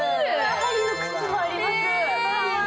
ハリーの靴もあります。